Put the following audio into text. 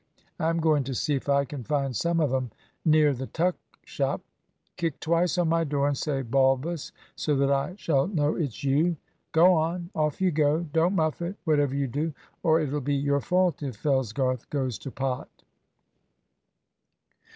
I'm going to see if I can find some of 'em near the tuck shop. Kick twice on my door and say `Balbus,' so that I shall know it's you. Go on; off you go. Don't muff it, whatever you do, or it'll be your fault if Fellsgarth goes to pot."